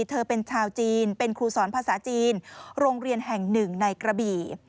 เธอเป็นชาวจีนเป็นครูสอนภาษาจีนโรงเรียนแห่งหนึ่งในกระบี่